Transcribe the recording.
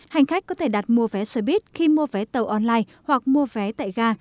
hành khách có thể đặt mua vé xoay bít khi mua vé tàu online hoặc mua vé tại ga